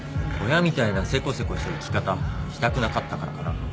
親みたいなせこせこした生き方したくなかったからかな。